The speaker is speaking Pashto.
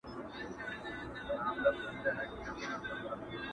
زه دي لکه سیوری درسره یمه پل نه لرم!.